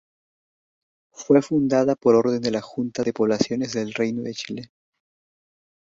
Fue fundada por orden de la Junta de Poblaciones del Reino de Chile.